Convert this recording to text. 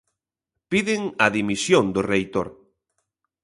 Piden a dimisión do reitor.